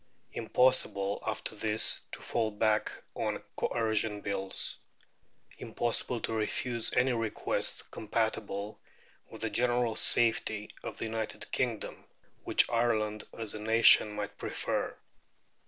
Impossible after this to fall back on Coercion Bills. Impossible to refuse any request compatible with the general safety of the United Kingdom, which Ireland as a nation might prefer.